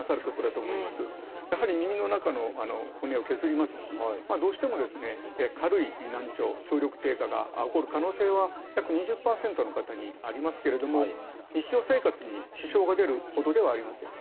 やはり耳の中の骨を削りますしどうしてもですね軽い難聴聴力低下が起こる可能性は約２０％の方にありますけれども日常生活に支障が出るほどではありません。